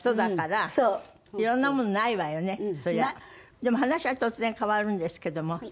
でも話は突然変わるんですけども。